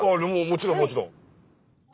もちろんもちろん。